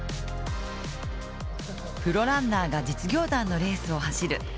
プロランナーが実業団のレースを走る。